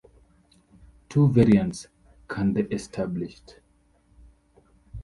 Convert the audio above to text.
Two variants can the established.